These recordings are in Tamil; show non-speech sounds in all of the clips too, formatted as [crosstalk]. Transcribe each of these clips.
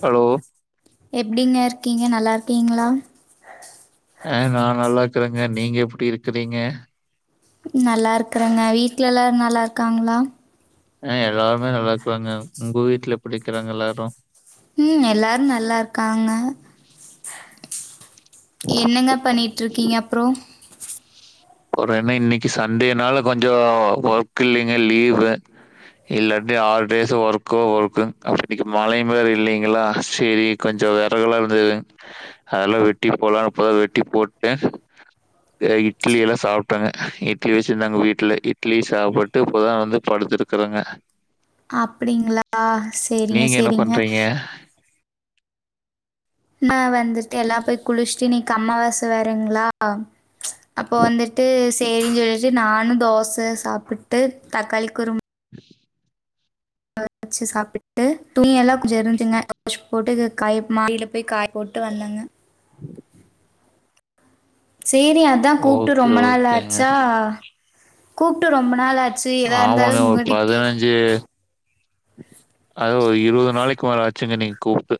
ஹலோ எப்டிங்க இருக்கீங்க நல்லாருக்கீங்களா ஆஹ் நா நல்லா இருக்கறேங்க நீங்க எப்டி இருக்கறீங்க நல்லா இருக்கறங்க வீட்ல எல்லார் நல்லா இருக்காங்களா ஆஹ் எல்லாருமே நல்லா இருக்றாங்க உங்க வீட்ல எப்பிடிக்கறாங்க எல்லாரு உம் எல்லாரு நல்லாருக்காங்க என்னங்க பண்ணிட்ருக்கீங்க அப்றோ [unintelligible] என்ன இன்னிக்கு சண்டேனால கொஞ்சோ ஒர்க் இல்லீங்க லீவு இல்லாட்டி ஆறு டேஸு ஒர்க்கோ ஒர்க்ங் [unintelligible] இன்னிக்கு மழயு வேற இல்லீங்களா சேரி கொஞ்சோ வெறகெல்லா இருந்துதுங் அதெல்லா வெட்டி போட்லா இப்பதா வெட்டி போட்டே எ இட்லி எல்லா சாப்ட்டங்க இட்லி வெச்சிருந்தாங்க வீட்ல இட்லி சாப்புட்டு இப்ப தா வந்து படுத்துருக்கறங்க அப்டிங்களா சேரிங்க நீங்க என்ன சேரிங்க பண்றீங்க? ந வந்துட்டு எல்லா போய் குளிச்ட்டு இன்னிக்கு அம்மாவாசை வேறைங்ளா அப்ப வந்துட்டு சேரின் சொல்லிட்டு நானு தோசை சாப்பிட்டு தக்காளி குரும் சாப்பிட்டு துணி எல்லா கொஞ்ச இரிஞ்சுங்க போட்டு காய மாடில போய் காய போட்டு வந்தங்க சேரி அதா கூப்ட்டு ஓகே, ரொம்ப நாள் ஓகேங்க. ஆச்சா கூப்ட்டு ரொம்ப நாள் ஆச் ஆமாங்க ஒரு பதுனஞ்சு அதோ ஒரு இருபது நாளைக்கு மேல ஆச்சுங்க நீங்க கூப்ட்டு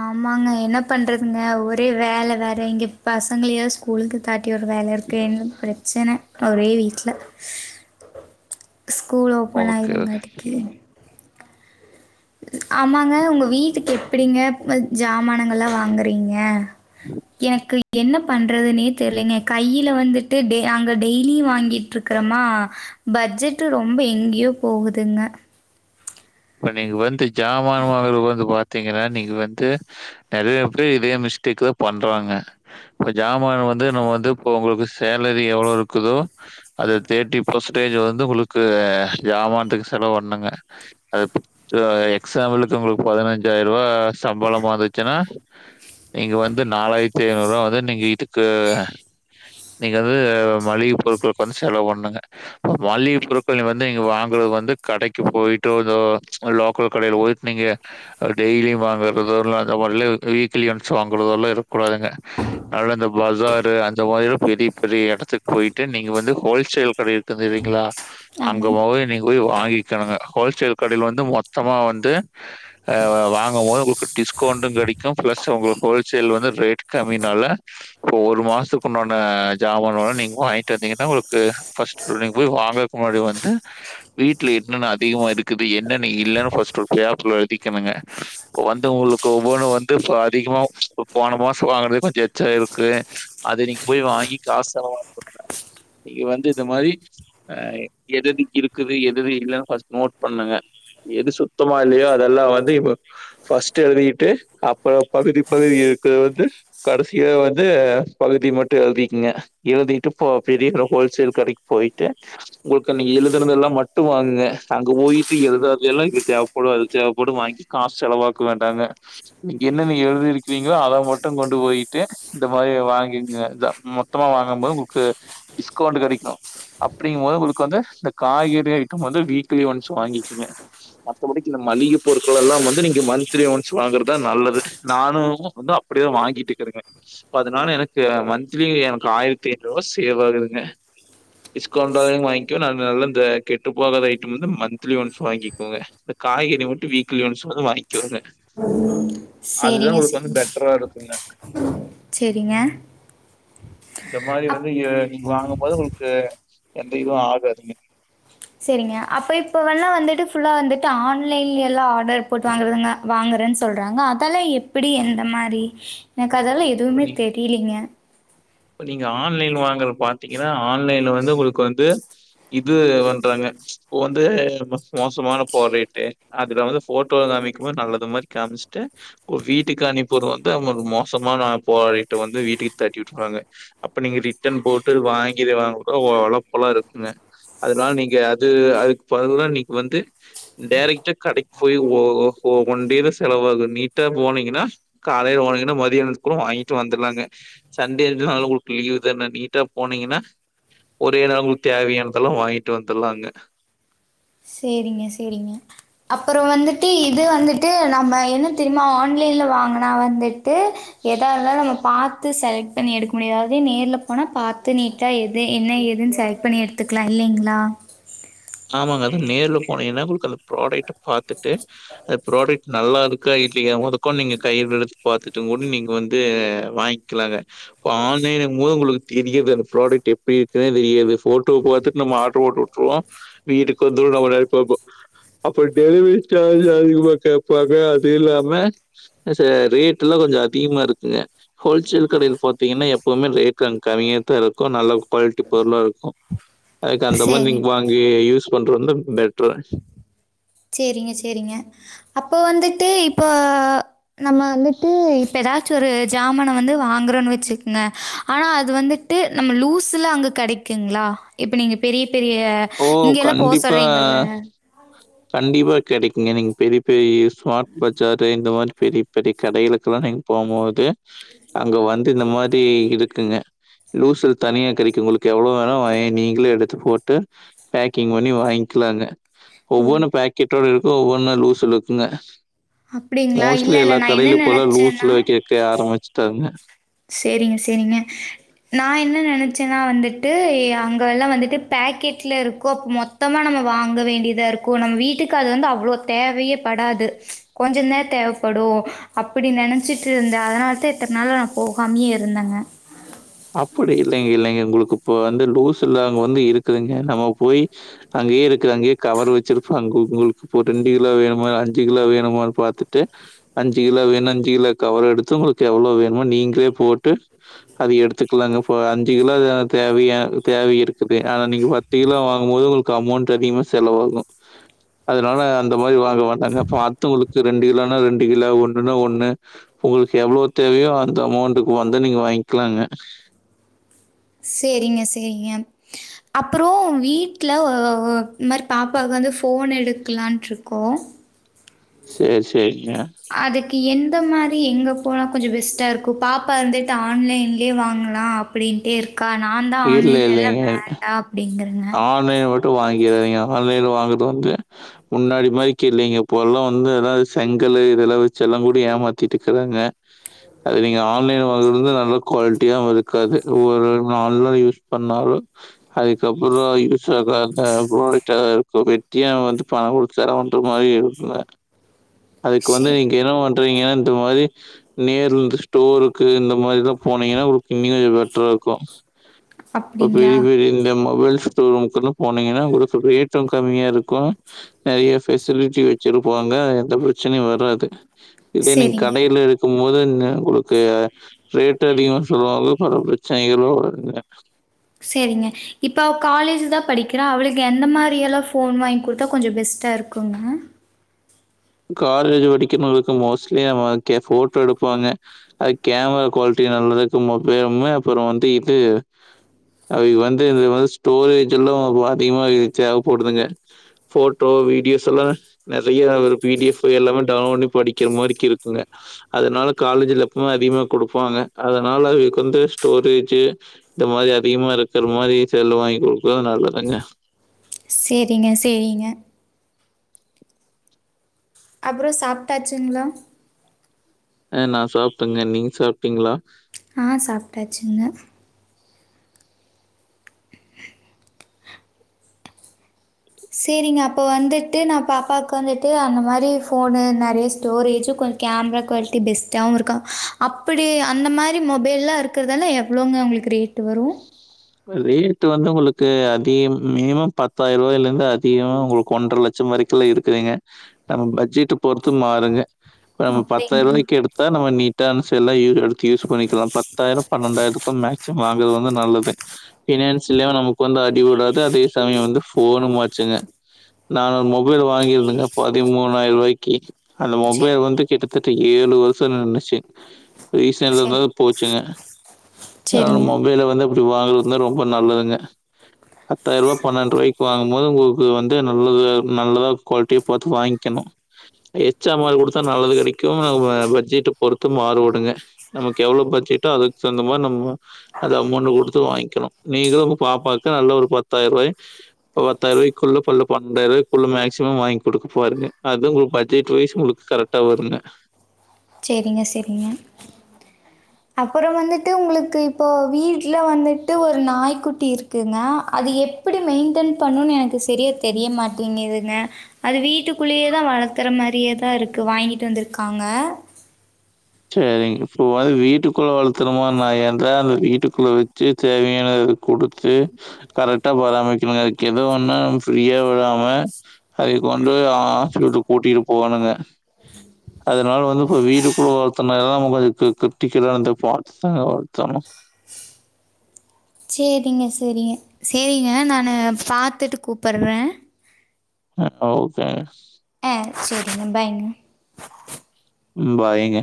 ஆமாங்க என்ன பண்றதுங்க ஒரே வேல வேற எங்க பசங்களயா ஸ்கூல்க்கு தட் ஒரு வேலய இருக்கு இங்க ப்ரச்சன ஒரே வீட்ல ஸ்கூல் ஓப்பன் ஓகே, ஆயிருங்க ஓகே. அடுத்து ஆமாங்க உங்க வீட்டுக்கு எப்புடிங்க ஜாமானுங்கள்லா வாங்குறீங்க எனக்கு என்ன பண்றதுன்னே தெரிலிங்க கையில வந்துட்டு டெ அங்க டெய்லி வாங்கிட்டு இருக்றோமா பட்ஜெட்டு ரொம்ப எங்கெயோ போகுதுங்க இப்ப நீங்க வந்து ஜாமான [unintelligible] வந்து பாத்தீங்கன்னா நீங்க வந்து நறைய பேர் இதே மிஸ்டேக்குதா பண்றாங்க இப்ப ஜமான வந்து நம்ம வந்து இப்போ உங்களுக்கு சேலரி எவ்ளோ இருக்குதோ அத தேட்டி பெர்சன்டேஜ் வந்து உங்களுக்கு ஜமான்த்துக்கு செலவு பண்ணுங்க அது ஆ எக்ஸாம்பிளுக்கு உங்களுக்கு பதினஞ்சாயிருவா சம்பளமா வந்துச்சுன்னா நீங்க வந்து நாலாயிரத்தி ஐநூறுவா வந்து நீங்க இதுக்கு நீங்க வந்து மளிக பொருட்களுக்கு வந்து செலவு பண்ணுங்க மளிக பொருட்கள் வந்து நீங்க வாங்குறது வந்து கடைக்கு போயிட்டோ ஓ இந்த லோக்கல் கடையில போயிட் நீங்க டெய்லியு வாங்கறதோ இல்ல [unintelligible] வீக்லி ஒன்ஸ் வாங்கறதோல்லா இருக்கக் கூடாதுங்க நல்ல இந்த பசாரு அந்த மாதிரில்லா பெரிய பெரிய எடத்துக் போயிட்டு நீங்க வந்து ஹோல்சேல் கட இருக்குது இல்லிங்களா அங்க ஆமாங்க போய் நீங்க போய் வாங்கிக்கணுங்க ஹோல்சேல் கடையில வந்து மொத்தமாக வந்து ஆ வாங்கம் போது உங்களுக்கு டிஸ்கவுண்ட்டு கெடைக்கு ப்ளஸ் உங்களுக்கு ஹோல்சேல் வந்து ரேட் கம்மினால இப்போ ஒரு மாசத்துக்குண்டான ஜாமான நீங்க வாய்ன்ட்டு வந்தீங்கன்னா உங்களுக்கு ஃபஸ்ட் நீ போய் வாங்கக்கு முன்னாடி வந்து வீட்ல என்னென்ன அதிகமாக இருக் குது என்னென்ன இல்லன்னு ஃபஸ்ட்டு ஒரு கைப் எழுதிக்கணுங்க வந்து உங்களுக்கு ஒவ்வொன்னு வந்து இப்ப அதிகமா பொ போன மாசொ வாங்குனது கொஞ்சொ எச்சொ இருக்கு அத நீங்க போய் வாங்கி காச [inaudible] நீங்க வந்து இந்த மாரி ஆ எத இருக்குது எது எது இல்லனு ஃபர்ஸ்ட் நோட் பண்ணுங்க எது சுத்தமா இல்லையோ அதெல்லா வந்து ஃபஸ்ட்டு எழுதிட்டு அப்பறொ பகுதி பகுதி இருக்குற வந்து கடைசியில வந்து ஆ பகுதி மட்டு எழுதிக்குங்க எழுதிட்டு பொ பெரிய ஹோல்சேல் கடக்கி போயிட்டு உங்களுக்கு நீ எழுதுனதெல்லா மட்டு வாங்குங்க அங்க போயிட்டு எழுதாதையெல்லா இது தேவப்படு அது தேவப்படு வாங்கி காச செலவாக்க வேண்டாங்க நீங்க என்னென்ன எழுதிருக்குறீங்களோ அத மட்டு கொண்டு போயிட்டு இந்த மாரி வாங்கிங்கதா மொத்தமா வாங்கும்போது உங்களுக்கு டிஸ்கவுண்ட் கெடைக்கு அப்டிங்கம் போது உங்களுக்கு வந்து இந்த காய்கறி ஐட்டம் வந்து வீ க்லி ஒன்ஸ் வாங்கிக்கங்க மத்தப்படிக்கு இந்த மளிக பொருட்களெல்லா வந்து நீங்க மன்த்லி ஒன்ஸ் வாங்குறதா நல்லது நானு வந்து அப்டிதா வாங்கிட்டு இருக்குறங்க அதுனால எனக்கு அ மன்த்லி எனக்கு ஆயிரத்தி ஐநூறுவா சேவ் ஆகுதுங்க டிஸ்கவுண்ட்டா வாய்ங்க அதுனால இந்த கெட்டு போகாதே ஐட் டம் வந்து மன்த்லி ஒன்ஸ் வாங்கிக்கோங்க இந்த காய்கறி மட்டு வீக்லி ஒன்ஸ் வந்து வாய்ங் கோங்கா அதுதா சேரிங்க உங்களுக்கு வந்து சேரிங்க பெட்ரா இருக்குங்க சேரிங்க இந்த மாரி அப் வந்து ஏ நீங்க வாங்கும்போது உங்களுக்கு எந்த இதுவு ஆகாதுங்க சேரிங்க அப்ப இப்பவல்லா வந்துட் டு ஃபுல்லா வந்துட்டு ஆன்லைன்லேல்லா ஆர்டர் போட்டு வாங்குறதுங்க வாங்கறன் சொல்றாங்க அதல்ல எப்டி எந்த மாரி கதெல்லா இப்ப எதுவுமே நீங்க தெரிலிங்க இப்ப நீங்க ஆன்லைன் வாங்கற பாத்திங்கனா ஆன்லைன்ல வந்து உங்ளுக்கு வந்து இது பண்றாங்க ப்ப வந்து மோசமான ப்ராடக்ட் அதுல வந்து ஃபோட்டோ காமிக்கும்போது நல்லது மாரி காமிச்சுட்டு வீட்டுக்கு அனுப்பிடுறது வந்து அவ மோசமான ப்ராடக்ட வந்து வீட்டுக்கு தட்டி விட்ருவாங்க அப்ப நீங்க ரிட்டன் போட்டு வாங்கிடுவாங்கலா ஒலப்பலா இருக்குங்க அதனால நீங்க அது அதுக்கு பதிலா நீங்க வந்து டேரக்ட்டா கடைக்கு போய் ஒ ஒ ஒன் டே தா செலவாகு நீட்டா போனிங்கனா காலைல போனிங்கனா மதியானத்துக்குள வாங்கிட்டு வந்துலாங்க சன்டே உங்ளுக்கு லீவ் தான நீட்டா போனிங்கன்னா ஒரே நாள் உங்ளுக்கு தேவையானதெல்லா வாங்கிட்டு வந்துடலாங்க செரிங்க செரிங்க அப்பற வந்துட்டு இது வந்துட்டு நம்ம என்ன தெரிமா ஆன்லைன்ல வாங்குனா வந்துட்டு எதா இருந்தாலு நம்ம பாத்து செலக்ட் பண்ணி எடுக்க முடியாது அதே நேர்ல போனா பாத்து நீட்டா எது என்ன ஏதுன்னு செலக்ட் பண்ணி எடுத்துக்லா இல்லிங்ளா ஆமாங்க அது நேர்ல போனிங்கனா உங்ளுக்கது ப்ராடக்ட பாத்துட்டு அந்த ப்ராடக்ட் நல்லா இருக்கா இல்லையா ஒதக்கோ நீங்க கைலெடுத்து பாத்துட்டுங்கூட நீங்க வந்து வாங்க்லாங்க இப்போ ஆன்லைனுங் போது உங்களுக்கு தெரியாது அந்த ப்ராடெக்ட் எப்டி இருக்குன்னே தெரியாது ஃபோட்டோவ பாத்துட்டு நம்ம ஆட்ரு போட்டு விட்ருவோ வீட்டுக்கு வந்ருன் நம்ம நெனைப்போ அப்ப டெலிவரி சார்ஜ் அதிகமா கேப்பாங்க அது இல்லாம ச ரேட்ல்லா கொஞ்ச அதிகமா இருக்குங்க ஹோல்சேல் கடைல பாத்திங்கனா எப் பவுமே ரேட் அங் கம்மியாதா இருக்கு நல்ல குவாலிட்டி பொருளா இருக் கு அதுக்கு அந்த மாரி சேரிங் நீங்க அங்கயே யூஸ் பண்ற வந்து பெ ட்ரு சேரிங்க சேரிங்க அப்ப வந்துட்டு இப்ப நம்ம வந்துட்டு இப் ப எதாச்சு ஒரு ஜாமான வந்து வாங்கறோன் வெச்சுக்கங்க ஆனா அது வந்துட்டு நம்ம லூசுல அங்க கெடைக்குங்ளா இப்ப நீங்க பெரிய பெரிய ஓ! இங்கெல்லா போ கண்டிப்பா, சொல்றிங்கல்ல கண்டிப்பா கெடக்குங்க நீங்க பெரிய பெரிய ஸ்மார்ட் பஜாரு இந்த மாரி பெரிய் பெரிய கடைகளுக்குல்லா நீங் போமோது அங்க வந் து இந்த மாரி இருக்குங்க லூசுல தனியா கெடைக்கு உங்களுக்கு எவ்வளோ வேணா வாங்கி நீங்களே எடுத்து போட் டு பேக்கிங் பண்ணி வாங்கிக்லாங்க ஓ! ஒவ்வொன்னு பேக்கெட்டோ ஒவ்வொன்னு லூசுல இருக்குங்க அப்படிங்களா? இல்ல, மோஸ்ட்லி இல்ல. எல்லா நான் என்ன கடையிலு போல லூஸ்ல நெனச்சேன்னா கேக்க ஆரபிச்சி ட்ரங்க சேரிங்க சேரிங்க நா என்ன நெனச்சேன்னா வந்துட் ட்டு ஏ அங்கெல்லா வந்துட்டு பேக்கெட்ல இருக்கோ மொத்தமா நம்ம வாங்க வேண்டியதா இருக்கு நம்ப வீட்டுக்கு அது வந்து அவ்ளோ தேவையேபடாது ச் கொஞ்சந்த தேவைப்படு அப்பிடி நெனச்சிட்டு இருந்தே அதனால தா இத்தன நாளா நா போகாமியே இருந்தாங்க அப்பிடி இல்லைங்க இல்லைங்க உங்களுக்கு உப்ப வந்து லூசுல அங்க வந்து இருக்குதுங்க நம்ம போயி அங்கேயே இருக் குது அங்கேயே கவர் வச்சிருப்பாங்க உங்களுக்கு இப்போ ரெண்டு கிலா வேணுமால்ல அஞ்சு ஞ்சு கிலோ வேணுமான்னு பாத்துட்டு அஞ்சி கிலோ வேண்ணா அஞ்சி கிலோ கவர் எடுத்து உங்களுக்கு எவ்ளோ வேணுமோ நீங்களே போட்டு அத எடுத் துக்கலாங்க ஃப அஞ்சி கிலோ த தேவையா தேவை இருக்குது ஆனா நீங்க பத்து கிலோ வாங்கும் போது உங்களுக்கு அமௌண்ட் அதிகமா செலவாகு அதனால அந்த மாரி வாங்க மாட்டாங்க பாத்து உங்களுக் ரெண்டு கிலோன்னா ரெண்டு கிலோ ஒன்னுனா ஒன்னு உங்களுக்கு எவ்ளோ தேவையோ அந்த அமௌண்டுக்கு வந்து நீங்க வாங்கிலாங்க சேரிங்க சேரிங்க அப்புற வீட்ல ஓ ஓ இந்த மாரி பாப்பாக்கு வந்து ஃபோன் எடுக்கலான்ட்டிருக்கோ செரி செரி அதுக் க்கு எந்த மாரி எங்க போனா கொஞ்ச பெஸ்ட்டா இருக்கோ பாப்பா இருந்துட்டு ஆன்லைன்லேயே வாங்கலா அப்பிடின்ட்டே இருக் க்கா நான் தா ஆன்லைன்ல எல்லா வேண்டா அப்பிடிங்கற ஆமே ஒல் து வாங்கி வைங்க ஆன்லை வாங்கற வந்து முன்னாடி மாரிக்கு இல்லைங்க பொருள்லா வந்து ஏதா செங்கல்லு இதெல்லா வச்சி எல்லா கூட ஏமாத்திட்டு இருக்குறாங்க நீங்க ஆன்லை வா நல்ல குவாலிட்டியாவு இருக்காது ஒவ்வ நாள்ல யூஸ் பண்ணாலு அது அதுக்கப்புறோ யூஸ் ஆகாத ப்ராடக்ட் ஆ தா இருக்கு வெட்டியா வந்து பணோ கொடுத்தன்ர மாரி இருக்குங்க அதுக்கு வந்து சரி. நீங்க இன்னு நீங்கனா இந்த மாரி நேர் இந்து ஸ்டோர்க்கு இந்த மாதிரிலா போனீங்கன்னா உங்களுக்கு இன்னு கொஞ்சோ பெட்டரா இருக்கு அப்ப அப்படிங்களா? பெரி பெரி இந்த மா மொபைல் ஸ்டோர் ரூம்கெல்லா போனீங்கன்னா உங்களுக்கு ரேட்டு கம்மியா இருக்கு நெறைய பெஃசிலிட்டி வச்சிருப்பாங்க எந்த பிரச்சனையு வராது இதே நீங்க சரிங்க, கடைல இருக்கு போது ந உங்களுக்கு ரேட் அதிகமா சொல்லுவாங்க பல பிரச்சனைகளு வருங்க சரிங்க இப்ப அவ காலேஜ் தா படிக்கிறா அவளுக்கு எந்த மாரியல்லா ஃபோன் வாங்கி குடுத்தா கொஞ்சோ பெஸ்ட்டா இருக்குங்க காலேஜ் படிக்கிறவங்களுக்கு மோஸ்ட்லி நம்ம போட்டோ எடுப்பாங்க அது கேமரா குவாலிட்டி நல்லதுக்கு மொபருமே அப்புறோ வந்து இது அவ வந்து வ ஸ்டோரேஜ் எல்லா அதிகமா தேவைப்படுதுங்க ஃபோட்டோ வீடியோஸ் எல்லா நெறைய பி டி எஃப் எல்லாமே டவுன்லோட்னி படிக்கிற மாரிக்கு இருக்குங்க அதனால காலேஜ்ல எப்பவுமே அதிகமா குடுப்பாங்க அதனால அதுக்கு வந்து ஸ்டோரேஜு இந்த மாரி அதிகமா இருக்கிற மாதிரி செல்லு வாங்கி குடுக்குது நல்லதுங்க சேரிங்க சேரிங்க அப்புறோ சாப்ட்டாச்சுங்ளா அ நா சாப்ட்டங்க நீங்க சாப்ட்டீங்ளா ஆ சாப்ட்டாச்சுங்க சேரிங்க அப்போ வந்துட்டு நா பாப்பாக்கு வந்துட்டு அந்த மாரி ஃபோனு நெறைய ஸ்டோரேஜு கொஞ்சோ கேமரா குவாலிட்டி பெஸ்ட்டாவு இருக்க அப்படி அந்த மாரி மொபைல்லா இருக்குறதாள எவ்வளோங்க உங்களுக்கு ரேட்டு் வரு ரேட்டு் வந்து உங்களுக்கு அதிகம் மினிமம் பத்தாயிரம் ரூபாயில இருந்து அதிகமா உங்களுக்கு ஒன்றரை லட்சம் வரைக்குல்ல இருக்குதுங்க நம்ம பட்ஜெட் பொறுத்து மாறுங்க நம்ம பத்தாயிர அப்படிங்களா? ரூாய்க்கு எடுத்தா நம்ம நீ ட்டான செல்லா யூ எடு த்து யூஸ் பண்ணிக்கலா பத்தாயிரம் பன்னெண்டாயிரத்துக்கு மேக்சிமம் வாங்குறது வந்து நல்லது பினான்ஸ்லயு நமக்கு வந்து அடி விடாது அதே சமயோ வந்து ஃபோனு மாச்சுங்க நா ஒரு மொபைல் வாங்கியிருந்தங்க பதிமூணாயிர ரூவாய்க்கி அந்த சே மொபைல் வந்து கிட்டு தட்ட ஏழு வருஷோ நின்னுச்சு ரீசேல் சரி. இருந்தது போச்சுங்க அந்த சரிங்க. மொபைல வந்து ஒரு வாகு வந்து ரொம்ப நல்லதுங்க பத்தாயிர ரூபா பன்னென்டு ரூவாய்க்கு வாங்கும்போது உங்களுக்கு வந்து நல்லது நல்லதா குவாலிட்டிய பாத்து வாங்கிகணு எச்சாம்மர் குடுத்தா நல்லது கிடைக்கும் ஆ உ வே பட்ஜெட் பொறுத்து மாறுபடுங்க நமக்கு எவ்ளோ பட்ஜெட்டோ அதுக்கு தகுந்த மார நம்மோ அது அமௌண்ட் குடுத்து வாங்கி கிணு நீங்களு உங்க பாப்பாக்கு நல்லா ஒரு பத்தாயிர ரூவாய் பத்தாயிர ரூாய்க்குள்ள பன்னன்டாயிர ரூபாய்குள்ள மேக்சிமம் வாங்கி குடுக்க பாருங்க அது உங்க பட்ஜெட் வைஸ் உங்களுக்கு கரெக்டா வருங்க சேரிங்க சேரிங்க அப்புறோ வந்துட்டு உங்களுக்கு இப்போ வீட்டுல வந்துட்டு ஒரு நாய்க்குட்டி இருக்குங்க அது எப்படி மெயின்டென் பண்ணுன் எனக்கு செரியா தெரிய மாட்டிங்கிதுங்க அது வீட்டுக்குள்ளயேதா வளர்க்கற மாரியேதா இருக்கு வாங்கிட்டு வந்திருக்காங்க சேரிங்க இப்ப பாரு வீட்டுக்குள்ள வளத்துரு மாரி நாயாருந்தா அத வீட்டுக்குள்ள வச்சு தேவையானத குடுத்து கரெக்டா பராமரிக்கணுங்க அதுக்கு எதோ ஒன்னா நம்ம ஃப்ரீயா விடாம அத கொண்டு போயி ஹாஸ்பிட்டல் கூட்டிட்டு போகணுங்க அதனால வந்து இப்ப வீட்டுக்குள்ள வள [unintelligible] சேரிங்க சேரிங்க சேரிங்க நானு பாத்துட்டு கூப்பிட்றே ஆ ஓகே [unintelligible] ஆ சரிங்க பாய்ங்க ம் பாய்ங்க